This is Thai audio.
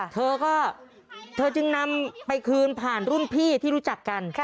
เธอก็เธอจึงนำไปคืนผ่านรุ่นพี่ที่รู้จักกัน